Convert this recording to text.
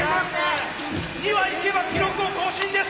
２羽いけば記録を更新です！